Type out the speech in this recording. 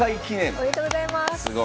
すごい。おめでとうございます。